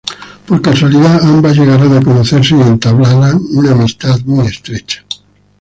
Por casualidad, ambas llegarán a conocerse, y entablan una amistad muy estrecha.